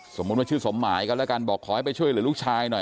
สมมุติว่าชื่อสมหมายกันแล้วกันบอกขอให้ไปช่วยเหลือลูกชายหน่อย